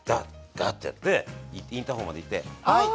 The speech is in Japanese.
ガッ！ってやってインターホンまで行ってはい。